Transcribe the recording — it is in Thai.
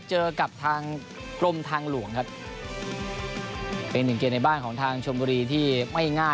เจอกับทางกรมทางหลวงครับเป็นหนึ่งเกมในบ้านของทางชมบุรีที่ไม่ง่าย